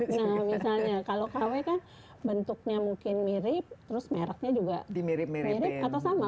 nah misalnya kalau kw kan bentuknya mungkin mirip terus mereknya juga mirip atau sama